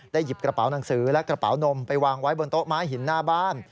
หยิบกระเป๋าหนังสือและกระเป๋านมไปวางไว้บนโต๊ะไม้หินหน้าบ้าน